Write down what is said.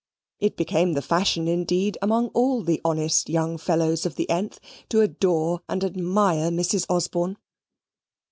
It became the fashion, indeed, among all the honest young fellows of the th to adore and admire Mrs. Osborne.